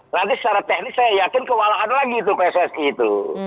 nanti secara teknis saya yakin kewalahan lagi tuh pssi itu